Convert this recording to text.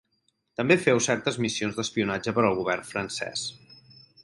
També féu certes missions d'espionatge per al govern francès.